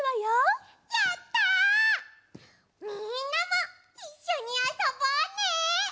みんなもいっしょにあそぼうね！